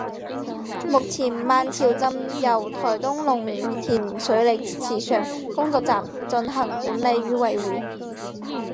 目前万朝圳由台东农田水利会池上工作站进行管理与维护。